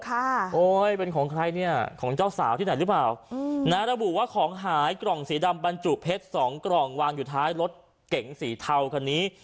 โอ๊ยเป็นของใครเนี่ยของเจ้าสาวที่ไหนหรือเปล่าอืมนะระบุว่าของหายกล่องสีดำบรรจุเพชรสองกล่องวางอยู่ท้ายรถเก๋งสีเทาคันนี้